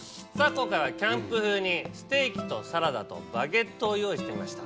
今回はキャンプ風にステーキとサラダとバゲットを用意してみました。